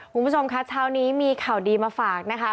คุณผู้ชมคะเช้านี้มีข่าวดีมาฝากนะคะ